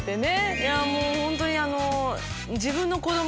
いやもうホントに。